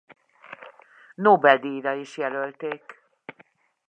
Nobel-díjra is jelölték.